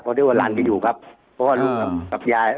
เพราะว่าลูกกับยาย